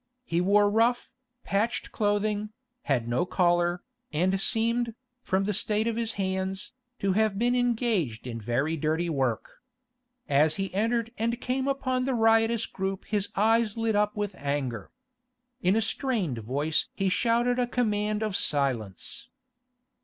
He wore rough, patched clothing, had no collar, and seemed, from the state of his hands, to have been engaged in very dirty work. As he entered and came upon the riotous group his eyes lit up with anger. In a strained voice he shouted a command of silence.